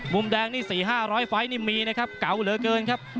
มุมแดงนี่สี่ห้าร้อยไฟล์นี่มีนะครับเก๋าเหลือเกินครับ